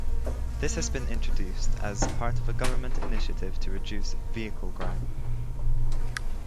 This has been introduced as part of a government initiative to reduce vehicle crime.